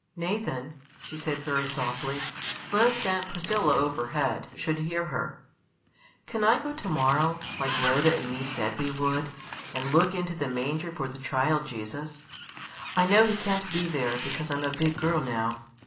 "Nathan," she said very softly, lest Aunt Priscilla overhead should hear her, "can I go to morrow, like Rhoda and me said we would, and look into the manger for the child Jesus? I know He can't be there, because I'm a big girl now.